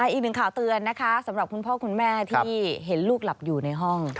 อีกหนึ่งข่าวเตือนนะคะสำหรับคุณพ่อคุณแม่ที่เห็นลูกหลับอยู่ในห้อง